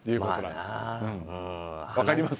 分かります？